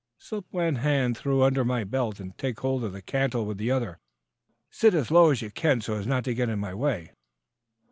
"Slip one hand through under my belt and take hold of the cantle with the other. Sit as low as you can so as not to get in my way."